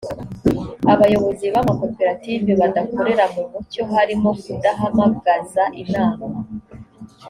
abayobozi b amakoperative badakorera mu mucyo harimo kudahamagaza inama